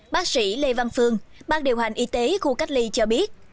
bác sĩ lê văn phương bác điều hành y tế khu cách ly cho biết